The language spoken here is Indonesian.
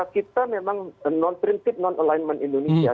kita memang non prinsip non alignment indonesia